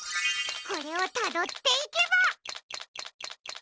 これをたどっていけば！